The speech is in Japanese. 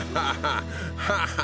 ハハハ！